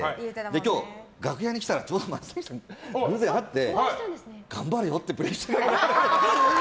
今日、楽屋に来たらちょうど松崎さんと偶然会って、頑張れよってプレッシャーかけられて。